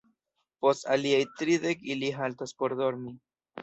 Post aliaj tridek ili haltas por dormi.